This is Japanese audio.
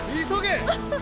急げ！